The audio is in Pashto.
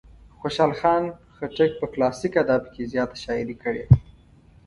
خوشال خان خټک په کلاسیک ادب کې زیاته شاعري کړې.